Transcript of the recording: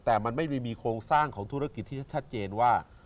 แต่มันไม่ได้มีโครงสร้างของธุรกิจที่ชัดเจนว่า